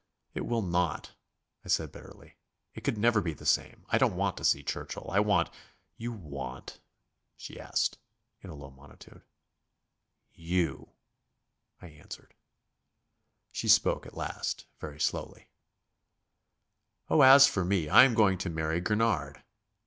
"It will not," I said bitterly. "It could never be the same. I don't want to see Churchill. I want...." "You want?" she asked, in a low monotone. "You," I answered. She spoke at last, very slowly: "Oh, as for me, I am going to marry Gurnard."